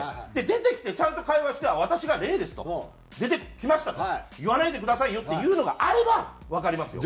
出てきてちゃんと会話して「私が霊です」と「出てきました」と「言わないでくださいよ」っていうのがあればわかりますよ。